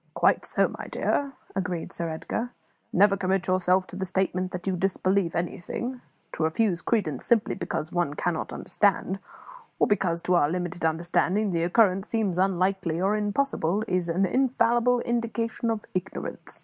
"Quite so, my dear," agreed Sir Edgar. "Never commit yourself to the statement that you disbelieve anything. To refuse credence simply because one cannot understand, or because to our limited understanding the occurrence seems unlikely or impossible, is an infallible indication of ignorance.